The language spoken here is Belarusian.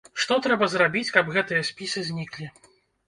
Што трэба зрабіць, каб гэтыя спісы зніклі?